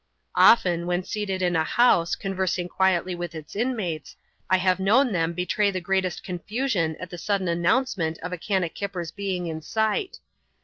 Often, when seated in a house, conversing quietly with its inmates, I have known them betray the greatest confusion at the sadden announcement of a kannakipper's being in sight.